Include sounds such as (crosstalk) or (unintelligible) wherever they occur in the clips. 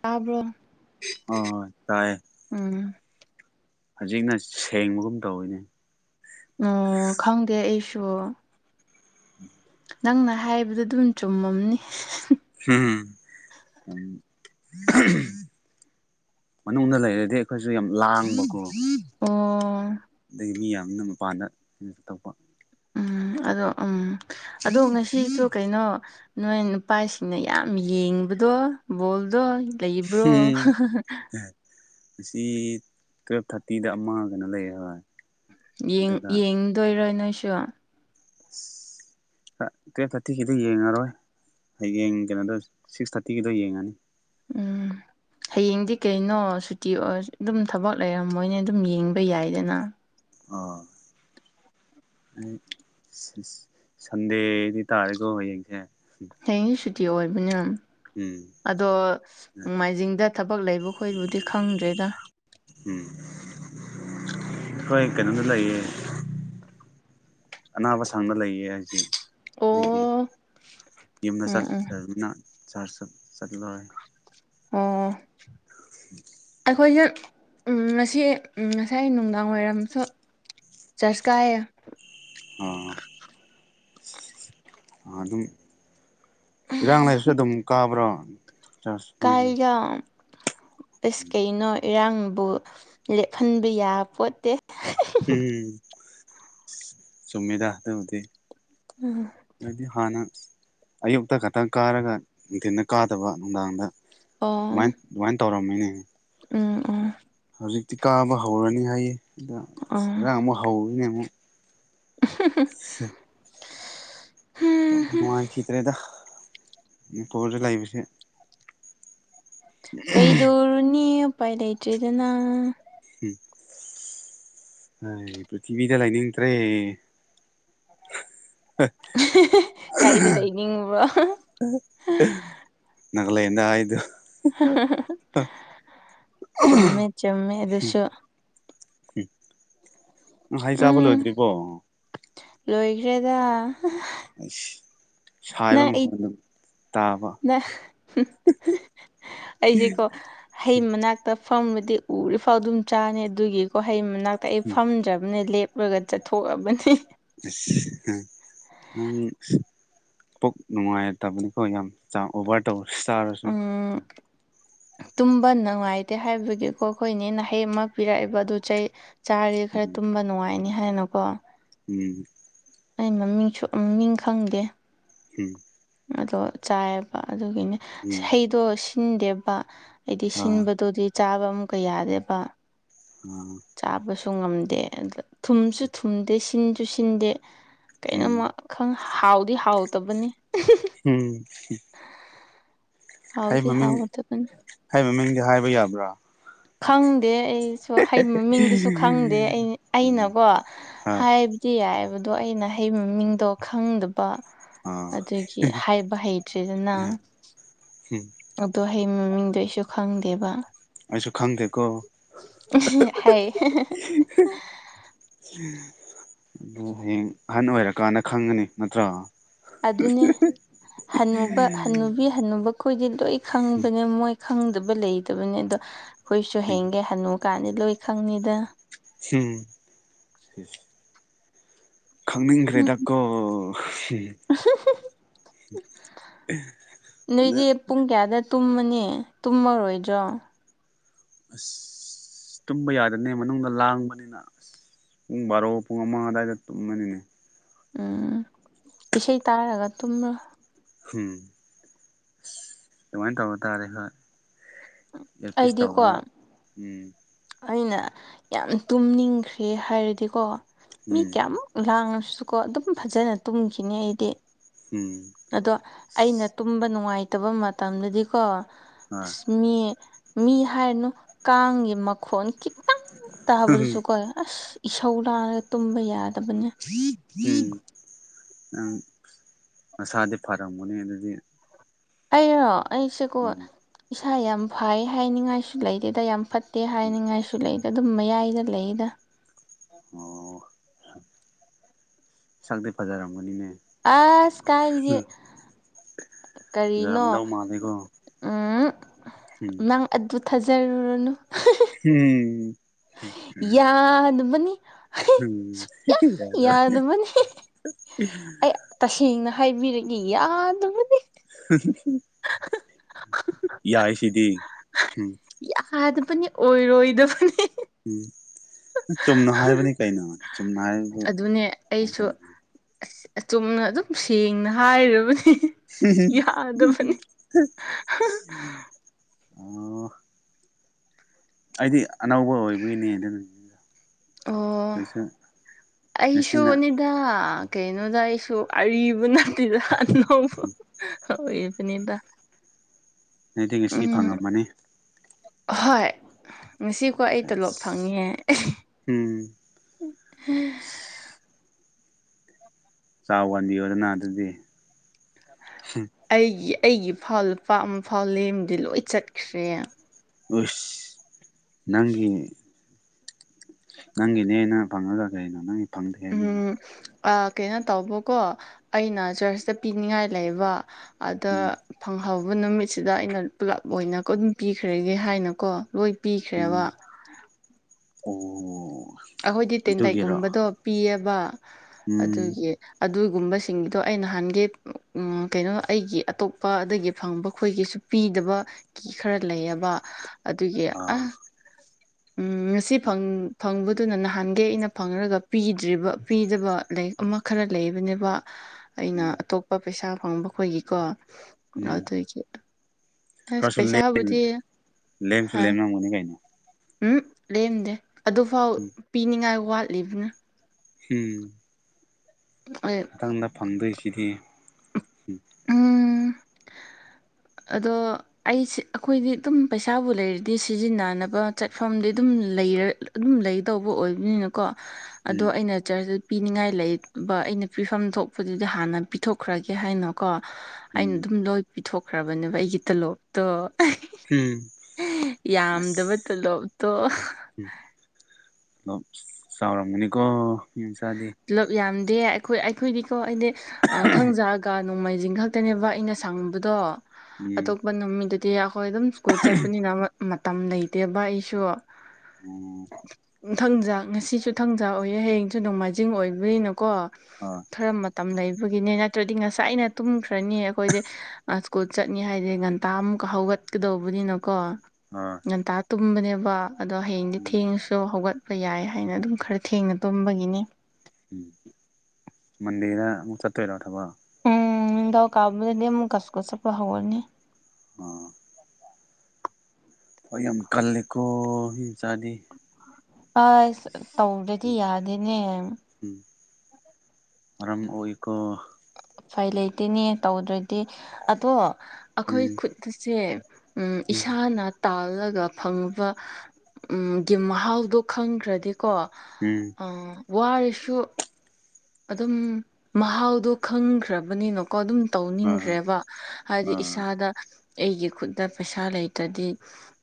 ꯇꯥꯕ꯭ꯔꯣ ꯑ ꯍꯣꯏ ꯇꯥꯏ ꯎꯝ ꯍꯧꯖꯤꯛꯅ ꯁꯦꯡꯕꯒꯨꯝ ꯇꯧꯔꯤꯅꯦ ꯑꯣ ꯈꯪꯗꯦ ꯑꯩꯁꯨ ꯅꯪꯅ ꯍꯥꯏꯕꯗ ꯑꯗꯨꯝ ꯆꯨꯝꯃꯝꯅꯤ ꯎꯝ (inaudible) ꯃꯅꯨꯡꯗ ꯂꯩꯔꯗꯤ ꯑꯩꯈꯣꯏꯁꯨ ꯌꯥꯝ ꯂꯥꯡꯕꯀꯣ ꯑꯣ ꯑꯗꯒꯤ ꯃꯤ ꯌꯥꯝꯅ ꯃꯄꯥꯟꯗ ꯀꯩꯅꯣ ꯇꯣꯛꯄ ꯎꯝ ꯑꯗꯣ ꯎꯝ ꯑꯗꯣ ꯉꯁꯤꯁꯨ ꯀꯩꯅꯣ ꯅꯣꯏ ꯅꯨꯄꯥꯁꯤꯡꯅ ꯌꯥꯝ ꯌꯦꯡꯕꯗꯣ ꯕꯣꯜꯗꯣ ꯂꯩꯕ꯭ꯔꯣ ꯎꯝ ꯑꯁꯤ ꯇꯨꯌꯦꯜꯞ ꯊꯥꯔꯇꯤꯗ ꯑꯃꯒꯅ ꯂꯩꯔꯦ ꯍꯣꯏ ꯑꯗꯨꯒ ꯌꯦꯡꯗꯣꯏꯔ ꯅꯣꯏꯁꯨ (inaudible) ꯇꯦ ꯐꯇꯤꯒꯤꯗ ꯌꯦꯡꯉꯔꯣꯏ ꯍꯌꯦꯡ ꯀꯩꯅꯣꯗꯣ ꯁꯤꯛꯁ ꯊꯥꯔꯇꯤꯒꯤꯗꯣ ꯌꯦꯡꯉꯅꯤ ꯎꯝ ꯍꯌꯦꯡꯗꯤ ꯀꯩꯅꯣ ꯁꯨꯇꯤ ꯑꯣꯏ ꯑꯗꯨꯝ ꯊꯕꯛ ꯂꯩꯔꯝꯃꯣꯏꯅꯦ ꯑꯗꯨꯝ ꯌꯦꯡꯕ ꯌꯥꯏꯗꯅ ꯑꯥ (unintelligible) ꯁꯟꯗꯦꯗꯤ ꯇꯥꯔꯦꯀꯣ ꯍꯌꯦꯡꯁꯦ ꯍꯌꯦꯡꯗꯤ ꯁꯨꯇꯤ ꯑꯣꯏꯕꯅꯦ ꯎꯝ ꯑꯗꯣ ꯅꯣꯡꯃꯥꯏꯖꯤꯡꯗ ꯊꯕꯛ ꯂꯩꯕ ꯈꯣꯏꯕꯨꯗꯤ ꯈꯪꯗ꯭ꯔꯦꯗ ꯎꯝ ꯑꯩꯈꯣꯏ ꯀꯩꯅꯣꯗ ꯂꯩꯌꯦ ꯑꯅꯥꯕ ꯁꯪꯅ ꯂꯩꯌꯦ ꯍꯥꯏꯁꯤ ꯑꯗꯒꯤ ꯑꯣ ꯌꯨꯝꯗ ꯎꯝ ꯎꯝ ꯆꯠꯕꯅ ꯆꯔ ꯁꯠ ꯆꯠꯂꯣꯏ ꯑꯣ ꯑꯩꯈꯣꯏꯁꯦ ꯉꯁꯤ ꯉꯁꯥꯏ ꯅꯨꯡꯗꯥꯡ ꯋꯥꯏꯔꯝꯁꯨ ꯆꯠꯁ ꯀꯥꯢꯌꯦ ꯑꯣ ꯑꯗꯨꯝ ꯏꯔꯥꯡ ꯂꯩꯥꯏꯔꯁꯨ ꯑꯗꯨꯝ ꯀꯥꯕ꯭ꯔꯣ ꯆꯥꯔꯖ ꯅꯣꯏꯒꯤ ꯀꯥꯏꯗ ꯑꯦꯁ ꯀꯩꯅꯣ ꯏꯔꯥꯡꯕꯨ ꯂꯦꯞꯍꯟꯕ ꯌꯥꯕ ꯄꯣꯠꯇꯦ ꯎꯝ ꯆꯃꯤꯗꯗ ꯍꯧꯗꯤ ꯑꯗꯨꯗꯤ ꯍꯅ ꯑꯌꯨꯛꯇ ꯈꯛꯇꯪ ꯀꯥꯔꯒ ꯅꯨꯡꯊꯤꯟꯗ ꯀꯥꯗꯕ ꯅꯨꯡꯗꯥꯡꯗ ꯑꯗꯨꯃꯥꯏꯅ ꯑꯗꯨꯃꯥꯏꯅ ꯇꯧꯔꯝꯃꯤꯅꯦ ꯑ ꯍꯧꯖꯤꯛꯇꯤ ꯀꯥꯕ ꯍꯧꯔꯅꯤ ꯍꯥꯏꯌꯦ ꯑꯗ ꯎꯝ ꯏꯖꯥꯡ ꯑꯃꯨꯛ ꯍꯧꯔꯤꯅꯦ ꯑꯃꯨꯛ ꯎ ꯍꯝ ꯅꯨꯡꯉꯥꯏꯈꯤꯗ꯭ꯔꯦꯗ ꯃꯅꯤꯄꯨꯔꯗ ꯂꯩꯕꯁꯦ ꯀꯩꯗꯔꯨꯅꯦ ꯎꯄꯥꯏ ꯂꯩꯇ꯭ꯔꯤꯗꯅ ꯎꯝ ꯄ꯭ꯔꯤꯊꯤꯕꯤꯗ ꯂ ꯂꯩꯅꯦꯠꯇ꯭ꯔꯦ ꯍ ꯀꯩꯗ ꯂꯩꯅꯤꯡꯕ꯭ꯔꯣ ꯅꯒꯥꯂꯦꯟꯟ ꯍꯥꯏꯥꯏꯗꯨ ꯆꯨꯝꯃꯦ ꯆꯨꯝꯃꯦ ꯑꯗꯨ ꯑꯗꯨꯁꯨ ꯎꯝ ꯍꯩ ꯆꯥꯕ ꯎꯝ ꯂꯣꯏꯗ꯭ꯔꯤꯕꯣ ꯂꯣꯏꯈ꯭ꯔꯦꯗ ꯑꯁ ꯁꯥꯏꯕ ꯅꯪ ꯑꯩ ꯃꯈꯣꯟ ꯑꯗꯨ ꯅ ꯑꯩꯁꯦꯀꯣ ꯍꯩ ꯃꯅꯥꯛꯇ ꯐꯝꯔꯗꯤ ꯎꯔꯤꯐꯥꯎ ꯑꯗꯨꯝ ꯆꯥꯅꯤ ꯑꯗꯨꯒꯤꯀꯣ ꯍꯩ ꯃꯅꯥꯛꯇ ꯑꯩ ꯎꯝ ꯐꯝꯗ꯭ꯔꯕꯅꯤ ꯂꯦꯞꯂꯒ ꯆꯠꯊꯣꯛꯑꯕꯅꯤ ꯑ ꯅꯪ ꯄꯣꯛ ꯅꯨꯡꯉꯥꯏ ꯇꯥꯕꯅꯦꯀꯣ ꯌꯥꯝ ꯆꯥꯡ ꯑꯣꯚꯔ ꯇꯧꯔꯁꯨ ꯇꯥꯔꯁꯨ ꯎꯝ ꯇꯨꯝꯕ ꯅꯨꯡꯉꯥꯏꯇꯦ ꯍꯥꯏꯕꯒꯤꯀꯣ ꯑꯩꯈꯣꯏꯅꯦ ꯅꯍꯩ ꯑꯃ ꯄꯤꯔꯛꯏꯕ ꯑꯗꯨ ꯆꯩ ꯆꯥꯔꯤꯁꯦ ꯈꯔ ꯎꯝ ꯇꯨꯝꯕ ꯅꯨꯡꯉꯥꯏꯅꯤ ꯍꯥꯏꯅꯀꯣ ꯎꯝ ꯑꯩ ꯃꯃꯤꯡꯁꯨ ꯃꯃꯤꯡ ꯈꯪꯗꯦ ꯎꯝ ꯑꯗꯣ ꯆꯥꯏꯑꯌꯦꯕ ꯑꯗꯨꯒꯤꯅꯦ ꯎꯝ ꯍꯩꯗꯣ ꯁꯤꯟꯗꯦꯕ ꯑꯩꯗꯤ ꯑꯥ ꯁꯤꯟꯕꯗꯨꯗꯤ ꯆꯥꯕ ꯑꯃꯨꯛꯀ ꯌꯥꯗꯦꯕ ꯎꯝ ꯆꯥꯕꯁꯨ ꯉꯝꯗꯦ ꯑ ꯊꯨꯝꯁꯨ ꯊꯨꯝꯗꯦ ꯁꯤꯟꯁꯨ ꯁꯤꯟꯗꯦ ꯎꯝ ꯀꯅꯣꯝꯃꯛ ꯈꯪ ꯍꯥꯎꯗꯤ ꯍꯥꯎꯗꯕꯅꯤ ꯎꯝ ꯍꯩ ꯍꯥꯎꯗꯤ ꯃꯃꯤꯡ ꯍꯥꯎꯒꯗꯕꯅꯤ ꯍꯩ ꯃꯃꯤꯡꯗꯤ ꯍꯥꯏꯕ ꯌꯥꯕ꯭ꯔꯥ ꯈꯪꯗꯦ ꯑꯩꯁꯨ ꯍ ꯃꯃꯤꯡꯗꯨꯁꯨ ꯈꯪꯗꯦ ꯎꯝ ꯑꯩꯅꯀꯣ ꯍꯣꯏ ꯍꯥꯏ ꯇꯤ ꯌꯥꯏꯕꯗꯣ ꯑꯩꯅ ꯍꯩ ꯃꯃꯤꯡꯗꯣ ꯈꯪꯗꯕ ꯑꯥ ꯑꯗꯨꯒꯤ ꯍꯥꯏꯕ ꯍꯩꯇ꯭ꯔꯤꯗꯅ ꯎꯝ ꯑꯗꯣ ꯍꯌꯦ ꯃꯃꯤꯡꯗꯣ ꯑꯩꯁꯨ ꯈꯪꯗꯦꯕ ꯑꯩꯁꯨ ꯈꯪꯗꯦꯀꯣ ꯍꯥꯏ ꯑ ꯍꯌꯦꯡ ꯑꯍꯟ ꯑꯣꯏꯔꯛꯀꯥꯟꯗ ꯈꯪꯒꯅꯤ ꯅꯠꯇ꯭ꯔꯣ ꯑꯗꯨꯅꯦ ꯍꯨꯕ ꯍꯟꯅꯨꯕꯤ ꯊꯟꯅꯨꯕꯈꯣꯏꯗꯤ ꯂꯣꯏ ꯎꯝ ꯈꯪꯕꯅꯦ ꯃꯣꯏ ꯈꯪꯗꯕ ꯂꯩꯇꯕꯅꯦ ꯑꯗꯣ ꯍꯨꯏꯁꯨ ꯎꯝ ꯍꯦꯟꯒꯦ ꯍꯅꯨ ꯀꯥꯟꯗꯤ ꯂꯣꯏ ꯈꯪꯅꯤꯗ ꯍꯝ ꯈꯪꯅꯤꯡꯈ꯭ꯔꯦꯗꯀꯣ ꯅꯣꯏꯗꯤ ꯄꯨꯡ ꯀꯌꯥꯗ ꯇꯨꯝꯃꯅꯤ ꯇꯨꯝꯃꯔꯣꯏꯗ꯭ꯔꯣ ꯑꯁ ꯇꯨꯝꯕ ꯌꯥꯗꯅꯦ ꯃꯅꯨꯡꯗ ꯂꯥꯡꯕꯅꯤꯅk ꯑꯁ ꯄꯨꯡ ꯕꯥꯔꯣ ꯄꯨꯡ ꯑꯃ ꯑꯋꯥꯏꯗ ꯇꯨꯝꯃꯅꯤꯅꯦ ꯎꯝ ꯏꯁꯩ ꯇꯥꯔꯒ ꯇꯨꯝꯂꯣ ꯍꯝ ꯑꯗꯨꯃꯥꯏꯅ ꯇꯧꯕ ꯇꯥꯔꯦ ꯍꯣꯏ ꯏꯌꯥꯔꯄꯤꯁ ꯑꯩꯗꯤꯀꯣ ꯇꯧꯔꯒ ꯎꯝ ꯑꯩꯅ ꯌꯥꯝ ꯇꯨꯝꯅꯤꯡꯈ꯭ꯔꯦ ꯍꯥꯏꯔꯗꯤꯀꯣ ꯃꯤ ꯎꯝ ꯀꯌꯥꯃꯨꯛ ꯂꯥꯡꯉꯁꯨꯀꯣ ꯑꯗꯨꯝ ꯐꯖꯅ ꯇꯨꯝꯈꯤꯅꯤ ꯑꯩꯗꯤ ꯎꯝ ꯑꯗꯣ ꯑꯩꯅ ꯇꯨꯝꯕ ꯅꯨꯡꯉꯥꯏꯇꯕ ꯃꯇꯝꯗꯗꯤꯀꯣ ꯍꯣꯏ ꯑꯁ ꯃꯤ ꯃꯤ ꯍꯥꯏꯔꯅꯨ ꯀꯥꯡꯒꯤ ꯃꯈꯣꯟ ꯈꯤꯇꯪ ꯇꯥꯕꯗꯨꯁꯨ ꯀꯣꯏ ꯑꯁ ꯏꯁꯧ ꯂꯥꯔꯒ ꯇꯨꯝꯕ ꯌꯥꯗꯕꯅꯦ ꯎꯝ ꯅꯪ ꯃꯁꯥꯗꯤ ꯐꯔꯝꯒꯅꯦ ꯑꯗꯨꯗꯤ ꯑꯩꯔꯣ ꯑꯩꯁꯦꯀꯣ ꯎꯝ ꯏꯁꯥ ꯌꯥꯝ ꯐꯩ ꯍꯥꯏꯅꯤꯡꯉꯥꯏꯁꯨ ꯂꯩꯇꯦꯗ ꯌꯥꯝ ꯐ ꯇꯦ ꯎꯝ ꯍꯥꯏꯅꯤꯡꯉꯥꯏꯁꯨ ꯂꯩꯗ ꯑꯗꯨꯝ ꯃꯌꯥꯏꯗ ꯂꯩꯗ ꯑꯣ ꯁꯛꯇ ꯐꯖꯔꯝꯒꯅꯤꯅꯦ ꯑꯁ ꯀꯥꯏꯗꯒꯤ ꯀꯔꯤꯅꯣ ꯐꯖꯔꯝꯗꯧ ꯃꯥꯜꯂꯦꯀꯣ ꯎ ꯎꯝ ꯅꯪ ꯑꯗꯨ ꯊꯥꯖꯔꯨꯔꯅꯨ ꯎꯝ ꯌꯥꯗꯕꯅꯤ ꯎꯝ ꯁꯨꯡꯌꯥ ꯌꯥꯗ ꯌꯥꯗꯕꯅꯤ (inaudible) ꯑꯩ ꯇꯁꯦꯡꯅ ꯍꯥꯏꯕꯤꯔꯛꯏꯦ ꯌꯥꯗꯕꯗꯤ ꯌꯥꯏꯁꯤꯗꯤ ꯌꯥꯗꯕꯅꯤ ꯑꯣꯏꯔꯣꯏꯗꯕꯅꯤ ꯎꯝ ꯆꯨꯝꯅ ꯍꯥꯏꯕꯅꯤ ꯀꯩꯅꯣ ꯆꯨꯝꯅ ꯍꯥꯏꯕꯗꯨ ꯍꯥꯏ ꯑ ꯑꯆꯨꯝꯅ ꯑꯗꯨꯝ ꯁꯦꯡꯅ ꯍꯥꯏꯔꯕꯅꯤ ꯌꯥꯗꯕꯅꯤ ꯑꯣ ꯑꯩꯗꯤ ꯑꯅꯧꯕ ꯑꯣꯏꯕꯒꯤꯅꯦ ꯑꯗꯨ ꯑꯣ ꯉꯁꯤꯅ ꯑꯩꯁꯨꯅꯤ ꯗ ꯀꯩꯅꯣꯗ ꯑꯩꯁꯨ ꯑꯔꯤꯕ ꯅꯠꯇꯦꯗ ꯑꯅꯧꯕ ꯍꯣꯏꯕꯅꯤꯗ ꯑꯗꯨꯗꯤ ꯉꯁꯤ ꯐꯪꯉꯝꯃꯅꯤ ꯍꯣꯏ ꯉꯁꯤꯀꯣ ꯑꯩ ꯇꯣꯂꯣꯞ ꯐꯪꯉꯍꯦ ꯎꯝ ꯎꯝ (inaudible) ꯆꯥꯎꯥ (inaudible) ꯛ ꯋꯥꯟꯗꯤꯌꯗꯅ ꯑꯗꯨꯗꯤ ꯑꯩꯒꯤ ꯑꯩꯒꯤ ꯏꯐꯥꯎ ꯂꯨꯄꯥ ꯑꯃ ꯐꯥꯎ ꯂꯦꯝꯃꯗꯤ ꯂꯣꯏ ꯆꯠꯈ꯭ꯔꯦ ꯑꯁ ꯅꯪꯗꯤ ꯅꯪꯒꯤꯅꯦ ꯅꯪ ꯐꯪꯉꯒ ꯀꯩꯅꯣ ꯅꯪꯒꯤ ꯐꯪꯗꯦ ꯍꯥꯏꯗꯨꯕꯨ ꯎꯝ ꯀꯩꯅꯣ ꯇꯧꯕꯀꯣ ꯑꯩꯅ ꯆꯔꯆꯇ ꯄꯤꯅꯤꯡꯉꯥꯏ ꯂꯩꯕ ꯑꯗ ꯎꯝ ꯐꯪꯍꯧꯕ ꯅꯨꯃꯤꯠꯁꯤꯗ ꯑꯩꯅ ꯄꯨꯂꯞ ꯑꯣꯏꯅ ꯀ ꯑꯗꯨꯝ ꯄꯤꯈ꯭ꯔꯒꯦ ꯍꯥꯏꯅꯀꯣ ꯂꯣꯏ ꯄꯤꯈ꯭ꯔꯦꯕ ꯎꯝ ꯑꯣ ꯑꯩꯈꯣꯏꯗꯤ ꯑꯗꯨꯒꯤꯔꯣ ꯇꯦꯟꯇꯩꯛꯀꯨꯝꯕꯗꯣ ꯄꯤꯑꯦꯕ ꯎꯝ ꯑꯗꯨꯒꯤ ꯑꯗꯨꯒꯨꯝꯕꯁꯤꯡꯗꯣ ꯑꯩ ꯅꯍꯥꯟꯒꯩ ꯎꯝ ꯀꯩꯅꯣ ꯑꯩꯒꯤ ꯑꯇꯣꯞꯄ ꯗꯒꯤ ꯐꯪꯕ ꯈꯣꯏꯒꯤꯁꯨ ꯄꯤꯗꯕ ꯃꯤ ꯈꯔ ꯂꯩꯌꯦꯕ ꯑꯗꯨꯒꯤ ꯑ ꯑꯥ ꯎꯝ ꯉꯁꯤ ꯎꯝ ꯐꯪ ꯐꯪꯕ ꯑꯗꯨꯅ ꯅꯍꯥꯟꯒꯩ ꯑꯩꯅ ꯐꯪꯔꯒ ꯄꯤꯗ꯭ꯔꯤꯕ ꯄꯤꯗꯕ ꯂꯥꯏꯔꯤꯛ ꯑꯃ ꯈꯔ ꯂꯩꯕꯅꯦꯕ ꯑꯩꯅ ꯎꯝ ꯑꯇꯣꯞꯄ ꯄꯩꯁꯥ ꯐꯪꯕ ꯈꯣꯏꯒꯤꯀꯣ ꯑꯥ ꯎꯝ ꯑꯗꯨꯒꯤ ꯍꯁ ꯈꯔꯁꯨ ꯂꯦꯝ ꯄꯩꯁꯥ ꯕꯨꯗꯤ ꯂꯦꯝꯁꯨ ꯍꯥ ꯂꯦꯝꯂꯝꯒꯅꯤ ꯀꯩꯅꯣ ꯎꯝ ꯂꯦꯝꯗꯦ ꯑꯗꯨꯐꯥꯎ ꯎꯝ ꯄꯤꯅꯤꯉꯥꯏ ꯋꯥꯠꯂꯤꯕꯅꯤ ꯎꯝ ꯑꯩ ꯃꯊꯪꯗ ꯐꯪꯗꯣꯏꯁꯤꯗꯤ ꯎꯝ (unintelligible) ꯑꯗꯣ ꯑꯩꯁꯦ ꯑꯩꯈꯣꯏꯗꯤ ꯑꯗꯨꯝ ꯄꯩꯁꯥꯕꯨ ꯂꯩꯔꯗꯤ ꯁꯤꯖꯤꯟꯅꯅꯕ ꯆꯠꯐꯝꯗꯤ ꯑꯗꯨꯝ ꯂꯩꯔ ꯑꯗꯨꯝ ꯂꯩꯗꯧꯕ ꯑꯣꯏꯕꯅꯤꯅꯀꯣ ꯑꯗꯣ ꯎꯝ ꯑꯩꯅ ꯆꯔꯁ ꯄꯤꯅꯤꯡꯉꯥꯏ ꯂꯩꯕ ꯑꯩꯅ ꯄꯤꯐꯝ ꯊꯣꯛꯄꯗꯨꯗꯤ ꯍꯥꯟꯅ ꯄꯤꯊꯣꯛꯈ꯭ꯔꯒꯦ ꯍꯥꯏꯅ ꯀꯣ ꯑꯩꯅ ꯎꯝ ꯑꯗꯨꯝ ꯂꯣꯏ ꯄꯤꯊꯣꯛꯈ꯭ꯔꯕꯅꯦꯕ ꯑꯩꯒꯤ ꯇꯣꯂꯣꯞ ꯇꯣ ꯎꯝ ꯌꯥꯝꯗꯕ ꯇꯣꯂꯣꯞꯇꯣ ꯆꯥꯎꯔꯝꯅꯤꯀꯣ ꯃꯤ ꯃꯆꯥꯗꯤ ꯇꯨꯂꯣꯞ ꯌꯥꯝꯗꯦ ꯑꯩꯈꯣꯏ ꯑꯩꯈꯣꯏꯗꯤꯀꯣ ꯑꯩꯗꯤ ꯑꯥ ꯊꯪꯖꯒ ꯅꯣꯡꯃꯥꯏꯖꯤꯡ ꯈꯛꯇꯅꯦꯕ ꯑꯩꯅ ꯁꯪꯕꯗꯣ ꯎꯝ ꯑꯇꯣꯞꯄ ꯅꯨꯃꯤꯠꯇꯗꯤ ꯑꯩꯈꯣꯏ ꯑꯗꯨꯝ ꯏꯁꯀꯨꯜ ꯆꯠꯄꯅꯤꯅ ꯃꯇꯝ ꯂꯩꯇꯦꯕ ꯑꯩꯁꯨ ꯑꯣ ꯊꯥꯡꯖꯥ ꯉꯁꯤꯁꯨ ꯊꯥꯡꯖꯥ ꯑꯣꯏꯌꯦ ꯍꯌꯦꯡꯁꯨ ꯅꯨꯡꯃꯥꯏꯖꯤꯡ ꯖꯤꯡ ꯑꯣꯏꯕꯅꯤꯅꯀꯣ ꯑ ꯈꯔ ꯃꯇꯝ ꯂꯩꯕꯒꯤꯅꯦ ꯅꯠꯇ꯭ꯔꯗꯤ ꯉꯁꯥꯏꯅ ꯇꯨꯝꯈ꯭ꯔꯅꯤ ꯑꯩꯈꯣꯏꯗꯤ ꯑꯥ ꯁ꯭ꯀꯨꯜ ꯆꯠꯅꯤ ꯍꯥꯏꯗꯤ ꯉꯟꯇꯥ ꯑꯃꯨꯛꯀ ꯍꯧꯒꯠꯀꯗꯧꯕꯅꯤꯅꯀꯣ ꯑ ꯉꯟꯇꯥ ꯇꯨꯝꯕꯅꯦꯕ ꯑꯗꯣ ꯍꯌꯦꯡꯗꯤ ꯊꯦꯡꯉꯁꯨ ꯍꯧꯒꯠ ꯍꯣꯏ ꯌꯥꯏ ꯍꯥꯏꯅ ꯑꯗꯨꯝ ꯈꯔ ꯊꯦꯡꯅ ꯇꯨꯝꯕꯒꯤꯅꯤ ꯎꯝ ꯃꯟꯗꯦꯗ ꯑꯃꯨꯛ ꯆꯠꯇꯣꯏꯔꯣ ꯊꯕꯛ ꯅꯤꯡꯊꯧꯀꯕꯥ ꯗꯗꯤ ꯑꯃꯨꯛꯀꯥ ꯏꯁꯀꯨꯜ ꯆꯠꯄ ꯍꯧꯔꯅꯤ ꯑ ꯍꯣꯏ ꯌꯥꯝ ꯀꯜꯂꯤꯀꯣ ꯃꯤ ꯃꯆꯥꯗꯤ ꯑꯥꯏ ꯇꯧꯗ꯭ꯔꯗꯤ ꯎꯝ ꯌꯥꯗꯦꯅꯦ ꯎꯝ ꯃꯔꯝ ꯃꯣꯛꯏꯀꯣ ꯎꯄꯥꯏ ꯂꯩꯇꯦꯅꯦ ꯇꯧꯗ꯭ꯔꯗꯤ ꯑꯗꯣ ꯑꯩꯈꯣꯏ ꯎꯝ ꯈꯨꯠꯁꯦ ꯎꯝ ꯏꯁꯥꯅ ꯇꯥꯜꯂꯒ ꯐꯪꯕ ꯎꯝꯒꯤ ꯃꯍꯥꯎꯗꯣ ꯈꯪꯈ꯭ꯔꯗꯤꯀꯣ ꯎꯝ ꯋꯥꯔꯤꯁꯨ ꯑꯗꯨꯝ ꯃꯍꯥꯎꯗꯣ ꯈꯪꯈ꯭ꯔꯕꯅꯤꯅ ꯀꯣ ꯑꯗꯨꯝ ꯑꯥ ꯇꯧꯅꯤꯡꯈ꯭ꯔꯦꯕ ꯍꯥꯏꯗꯤ ꯑꯥ ꯏꯁꯥꯗ ꯑꯩꯒꯤ ꯈꯨꯠꯇ ꯄꯩꯁꯥ ꯂꯩꯇ꯭ꯔꯗꯤ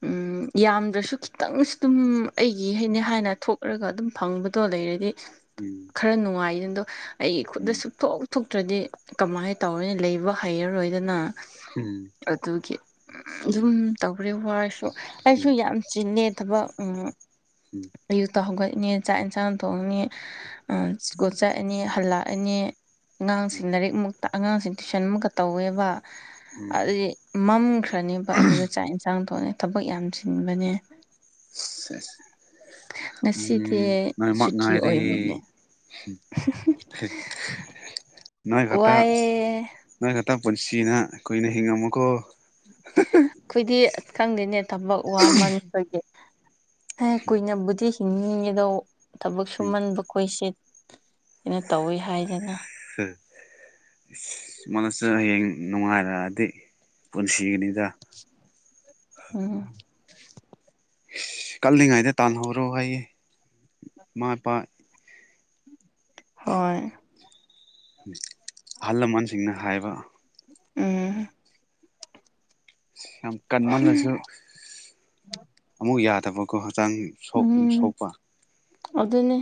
ꯎꯝ ꯌꯥꯝꯗ꯭ꯔꯁꯨ ꯈꯤꯇꯪꯁꯨ ꯑꯗꯨꯝ ꯑꯩꯒꯤ ꯍꯥꯏꯅꯦ ꯍꯥꯏꯅ ꯊꯣꯛꯂꯒ ꯑꯗꯨꯝ ꯐꯪꯕꯗꯣ ꯂꯩꯔꯗꯤ ꯎꯝ ꯈꯔ ꯅꯨꯡꯉꯥꯏꯌꯦ ꯑꯗꯣ ꯑꯩꯒꯤ ꯈꯨꯠꯇ ꯎꯝ ꯎꯝ ꯁꯨꯡꯊꯣꯛ ꯊꯣꯛꯇ꯭ꯔꯗꯤ ꯀꯃꯥꯏꯅ ꯇꯧꯌꯦ ꯂꯩꯕ ꯍꯩꯔꯔꯣꯏꯗꯅ ꯎꯝ ꯑꯗꯨꯒꯤ ꯑꯗꯨꯝ ꯇꯧꯔꯦ ꯋꯥꯔꯁꯨ ꯑꯩꯁꯨ ꯌꯥꯝ ꯆꯤꯟꯂꯦ ꯊꯕꯛ ꯎꯝ ꯎꯝ ꯑꯌꯨꯛꯇ ꯍꯧꯒꯠꯅꯦ ꯆꯥꯛ ꯏꯟꯁꯥꯡ ꯊꯣꯡꯉꯥꯅꯤ ꯎꯝ ꯁ꯭ꯀꯨꯜ ꯆꯠꯂꯅꯤ ꯍꯜꯂꯛꯑꯅꯤ ꯑꯉꯥꯡꯁꯤꯡ ꯎꯝ ꯂꯥꯏꯔꯤꯛ ꯃꯨꯛꯇ ꯑꯉꯥꯡꯁꯤꯡ ꯇꯨꯏꯁꯟ ꯃꯨꯛꯀ ꯇꯧꯋꯦꯕ ꯎꯝ ꯎꯝ ꯑꯗꯨꯗꯤ ꯃꯝꯈ꯭ꯔꯅꯦꯕ ꯑꯗꯨꯗ ꯆꯥꯛ ꯌꯦꯟꯁꯥꯡ ꯊꯣꯡꯅꯤ ꯊꯕꯛ ꯌꯥꯝ ꯆꯤꯟꯕꯅꯦ ꯁꯦꯁ ꯉꯁꯤꯗꯤ ꯎꯝ ꯅꯣꯏꯃꯛ ꯁꯨꯇꯤ ꯉꯥꯏꯔꯦ ꯑꯣꯏꯕꯅꯦ (inaudible) (unintelligible) ꯅꯣꯏ ꯈꯛꯇ ꯋꯥꯏꯑꯦ ꯅꯣꯏ ꯈꯛꯇ ꯄꯨꯟꯁꯤꯅ ꯀꯨꯏꯅ ꯍꯤꯡꯉꯝꯃꯨꯀꯣ ꯑꯩꯈꯣꯏꯗꯤ ꯑꯁ ꯈꯪꯗꯦꯅꯦ ꯊꯕꯛ ꯋꯥꯃꯟꯕꯒꯤ ꯍꯦ ꯀꯨꯏꯅꯕꯨꯗꯤ ꯍꯤꯡꯅꯤꯡꯉꯤꯗꯣ ꯊꯕꯛ ꯎꯝ ꯁꯨꯃꯟꯕꯒꯤ ꯑꯩꯈꯣꯏꯁꯦ ꯀꯩꯅꯣ ꯇꯧꯋꯤ ꯍꯥꯏꯗꯅ ꯍ (inaudible) ꯃꯥꯅꯁꯨ ꯍꯌꯦꯡ ꯅꯨꯡꯉꯥꯏꯔꯛꯑꯗꯤ ꯄꯨꯟꯁꯤꯒꯅꯤꯗ ꯎꯝ ꯀꯜꯂꯤꯉꯩꯗ ꯇꯥꯟꯜꯍꯧꯔꯣ ꯑꯩ ꯏꯃꯥ ꯏꯄꯥ ꯍꯣꯏ ꯑꯍꯜ ꯂꯃꯟꯁꯤꯡꯅ ꯍꯥꯏꯕ ꯎꯝ ꯌꯥꯝ ꯀꯟꯃꯜꯂꯁꯨ ꯑꯃꯨꯛ ꯌꯥꯗꯕꯀꯣ ꯍꯛꯆꯥꯡ ꯁꯣꯛ ꯁꯣꯛꯄ ꯑꯗꯨꯅꯤ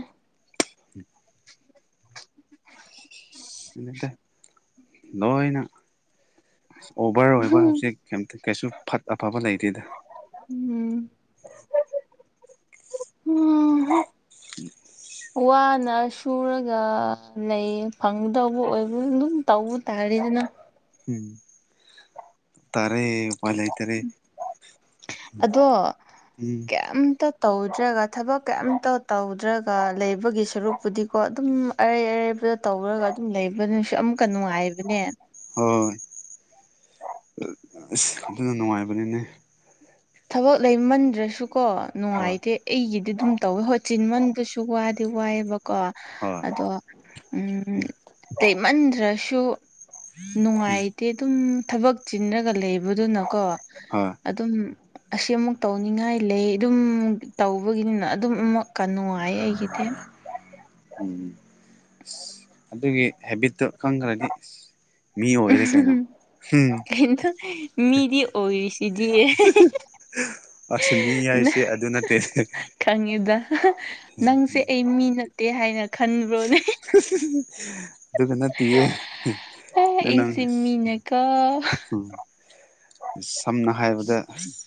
(unintelligible) ꯅꯠꯇꯦ ꯂꯣꯏꯅꯥ ꯑꯣꯚꯔ ꯑꯣꯏꯕ ꯍꯧꯖꯤꯛ ꯀꯩꯁꯨ ꯐꯠ ꯑꯐꯕ ꯂꯩꯇꯦꯗ ꯎꯝꯝ (inaudible) ꯋꯥꯅꯥ ꯆꯨꯔꯒ ꯂꯩ ꯐꯪꯗꯧꯕ ꯑꯣꯏꯕꯨ ꯑꯗꯨꯝ ꯇꯧꯕ ꯇꯥꯔꯦꯗꯅ ꯎꯝ ꯇꯥꯔꯦ ꯎꯄꯥꯏ ꯂꯩꯇꯔꯦ ꯑꯗꯣ ꯎꯝ ꯀꯦꯝꯇ ꯇꯧꯗ꯭ꯔꯒ ꯊꯕꯛ ꯀꯩꯝꯇ ꯇꯧꯗ꯭ꯔꯒ ꯂꯩꯕꯒꯤ ꯁꯔꯨꯛꯄꯨꯗꯤꯀꯣ ꯑꯗꯨꯝ ꯑꯔꯩ ꯑꯔꯩꯕꯗ ꯇꯧꯔꯒ ꯑꯗꯨꯝ ꯂꯩꯕꯗꯨꯅꯁꯨ ꯑꯃꯨꯛꯀ ꯅꯨꯡꯉꯥꯏꯕꯅꯦ ꯍꯣꯏ ꯑꯁ ꯑꯗꯨꯅ ꯅꯨꯡꯉꯥꯏꯕꯅꯤꯅꯦ ꯊꯕꯛ ꯂꯩꯃꯟꯗ꯭ꯔꯁꯨꯀꯣ ꯍꯣꯏ ꯅꯨꯡꯉꯥꯏꯇꯦ ꯑꯩꯒꯤꯗꯤ ꯑꯗꯨꯝ ꯇꯧꯋꯦ ꯍꯣꯏ ꯆꯤꯟꯃꯟꯗꯨꯁꯨ ꯋꯥꯗꯤ ꯋꯥꯏꯑꯦꯕꯀꯣ ꯍꯣꯏ ꯑꯗꯣ ꯎꯝ ꯇꯩꯃꯟꯗ꯭ꯔꯁꯨ ꯎꯝ ꯅꯨꯡꯉꯥꯏꯇꯦ ꯑꯗꯨꯝ ꯊꯕꯛ ꯆꯤꯟꯔꯒ ꯂꯩꯕꯗꯨꯅꯀꯣ ꯍꯣꯢ ꯑꯗꯨꯝ ꯑꯁꯤ ꯑꯃꯨꯛ ꯇꯧꯅꯤꯡꯉꯥꯏ ꯂꯩ ꯑꯗꯨꯝ ꯇꯧꯕꯒꯤꯅꯤꯅ ꯑꯗꯨꯝ ꯑꯃꯨꯛꯀ ꯅꯨꯡꯉꯥꯏ ꯑꯩꯒꯤꯗꯤ ꯎꯝ (inaudible) ꯏꯁ ꯑꯗꯨꯒꯤ ꯍꯦꯕꯤꯠꯇꯨ ꯈꯪꯈ꯭ꯔꯗꯤ ꯃꯤ ꯑꯣꯏꯔꯦ ꯀꯩꯅꯣ ꯎꯝ ꯀꯩꯅꯣ ꯃꯤꯗꯤ ꯑꯣꯏꯔꯤꯁꯤꯗꯤ ꯑꯁ ꯃꯤ ꯍꯥꯏꯁꯦ ꯑꯗꯨ ꯅꯠꯇꯦ ꯈꯪꯉꯤꯗ ꯅꯪꯁꯦ ꯑꯩ ꯃꯤ ꯅꯠꯇꯦ ꯍꯥꯏꯅ ꯈꯟꯕ꯭ꯔꯣꯅꯦ ꯑꯗꯨ ꯅꯠ ꯇꯤꯌꯦ ꯑꯗꯩ ꯅꯪ ꯑꯩꯁꯦ (inaudible) ꯃꯤꯅꯀꯣ ꯁꯝꯅ ꯍꯥꯏꯔꯕꯗ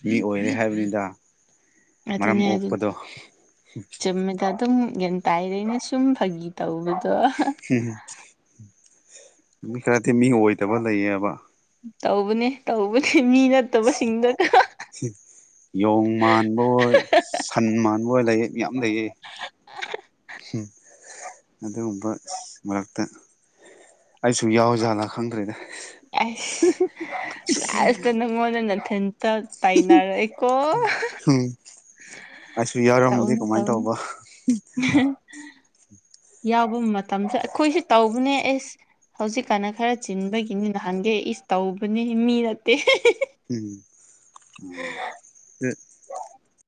ꯃꯤ ꯑꯣꯏꯔꯦ ꯍꯥꯏꯕꯅꯤꯗ ꯃꯔꯝ ꯑꯗꯨꯅꯦ ꯑꯗꯨꯅꯦ ꯑꯣꯛꯄꯗꯣ ꯆꯝꯃꯦꯗꯥ ꯑꯗꯨꯝ ꯒ꯭ꯌꯥꯟ ꯇꯥꯏꯔꯦꯅ ꯁꯨꯝ ꯐꯥꯒꯤ ꯇꯧꯕꯗꯣ ꯍꯨꯝ ꯃꯤ ꯈꯔꯗꯤ ꯃꯤ ꯑꯣꯏꯗꯕ ꯂꯩꯌꯦꯕ ꯇꯧꯕꯅꯦ ꯇꯧꯕꯅꯦ ꯃꯤ ꯅꯠꯇꯕꯁꯤꯡꯗꯨꯅ ꯌꯣꯡ ꯃꯥꯟꯕ ꯑꯣꯏ ꯁꯟ ꯃꯥꯟꯕ ꯑꯣꯏ ꯂꯥꯏꯔꯤ ꯌꯥꯝ ꯂꯩꯌꯦ ꯎꯝ ꯑꯗꯨꯒꯨꯝꯕ ꯃꯔꯛꯇ ꯑꯩꯁꯨ ꯌꯥꯎꯖꯥꯠꯂ ꯈꯪꯗ꯭ꯔꯦꯅꯦ ꯑꯁ ꯂꯥꯁꯇ ꯅꯪꯉꯣꯟꯗ ꯅꯥꯊꯟꯇ ꯇꯥꯏꯅꯔꯛꯑꯦꯀꯣ ꯎꯝ ꯑꯩꯁꯨ ꯌꯥꯎꯔꯝꯃꯗꯤ ꯀꯃꯥꯏꯅ ꯇꯧꯕ ꯎꯝ (inaudible) ꯌꯥꯎꯕ ꯃꯇꯝꯁꯨ ꯑꯩꯈꯣꯏꯁꯨ ꯇꯧꯕꯅꯦ ꯑꯦꯁ ꯍꯧꯖꯤꯛꯀꯥꯟꯅ ꯈꯔ ꯆꯤꯟꯕꯒꯤꯅꯤ ꯅꯍꯥꯟꯒꯦ ꯏꯁ ꯇꯧꯕꯅꯤ ꯃꯤ ꯅꯠꯇꯦ ꯎꯝ ꯎꯝ